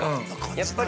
やっぱり？